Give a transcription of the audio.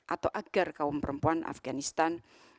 atau agar kaum perempuan afganistan